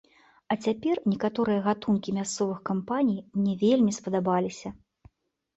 А цяпер некаторыя гатункі мясцовых кампаній мне вельмі спадабаліся.